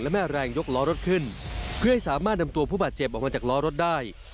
และแม่แรงยกล้อรถขึ้นเพื่อให้สามารถนำตัวผู้บาดเจ็บออกมาจากล้อรถได้